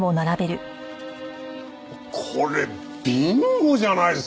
これビンゴじゃないですか！